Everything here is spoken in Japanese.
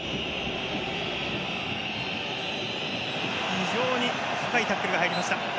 非常に深いタックルが入りました。